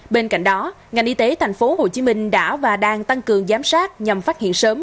bên cạnh đó ngành y tế tp hcm đã và đang tăng cường giám sát nhằm phát hiện sớm